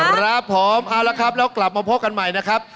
ครับผมเอาละครับแล้วกลับมาพบกันใหม่นะครับ